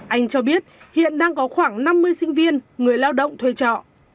anh cho biết hiện đang có khoảng năm mươi sinh viên người lao động thuê trọ